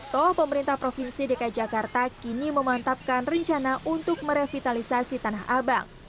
toh pemerintah provinsi dki jakarta kini memantapkan rencana untuk merevitalisasi tanah abang